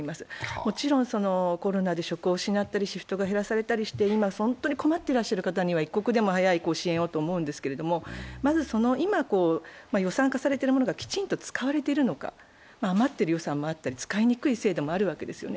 もちろんコロナで職を失ったりシフトを減らされたりして今、本当に困っていらっしゃる方には一刻も早い支援をと思うんですが、まず、今、予算化されているものがきちんと使われているのか、余っている予算もあったり、使いにくい制度もあるわけですよね。